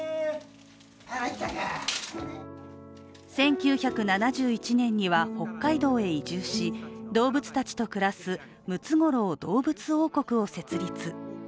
１９７１年には北海道に移住し動物たちと暮らすムツゴロウ動物王国を設立。